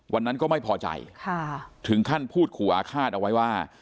วันนั้นก็ไม่พอใจถึงขั้นพูดขู่อาฆาตเอาไว้ว่า